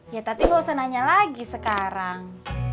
ya tapi gak usah nanya lagi sekarang